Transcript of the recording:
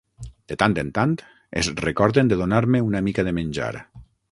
De tant en tant es recorden de donar-me una mica de menjar.